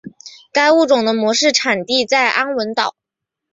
该物种的模式产地在安汶岛。